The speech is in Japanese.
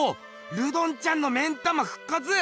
ルドンちゃんの目ん玉ふっかつ！